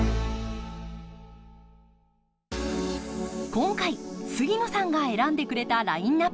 今回杉野さんが選んでくれたラインナップ。